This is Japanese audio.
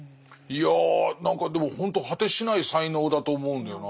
いや何かでもほんと果てしない才能だと思うんだよな。